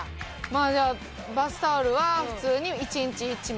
まあじゃあバスタオルは普通に１日１枚？